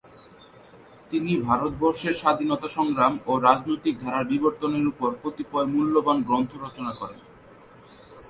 তিনি ভারতবর্ষের স্বাধীনতা সংগ্রাম ও রাজনৈতিক ধারার বিবর্তনের উপর কতিপয় মূল্যবান গ্রন্থ রচনা করেন।